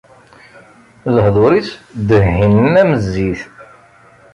Lehdur-is ddehhinen am zzit.